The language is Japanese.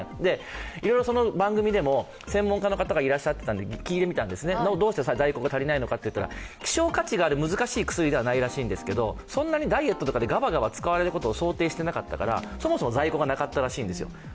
いろいろその番組でも専門家の方がいたんで聞いたんですけどどうして在庫が足りないのかといったら希少価値がある難しい薬ではないそうなんですがそんなにダイエットとかでガバガバ使われるコトを想定してなかったから、そんなに在庫がなかったそうです。